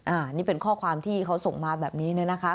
อันนี้เป็นข้อความที่เขาส่งมาแบบนี้เนี่ยนะคะ